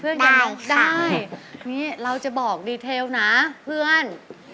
เป็นเพื่อนอย่างนี้ได้นี่เราจะบอกดีเทลนะเพื่อน